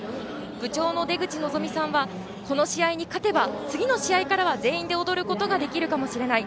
部長の、でぐちのぞみさんはこの試合に勝てば次の試合からは全員で踊ることができるかもしれない。